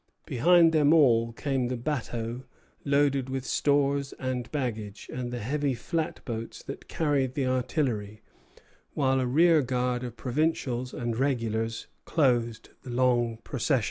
Behind them all came the bateaux, loaded with stores and baggage, and the heavy flatboats that carried the artillery, while a rear guard of provincials and regulars closed the long procession.